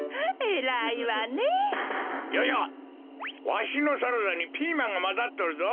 わしのサラダにピーマンがまざっとるぞ。